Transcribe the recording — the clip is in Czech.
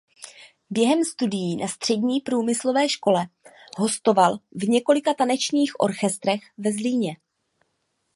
Během studií na střední průmyslové škole hostoval v několika tanečních orchestrech ve Zlíně.